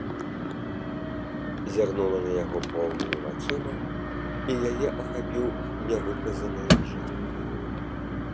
Зірнула на яго поўнымі вачыма, і яе ахапіў нявыказаны жах.